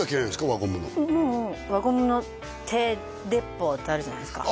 輪ゴムのもう輪ゴムの手鉄砲ってあるじゃないですか？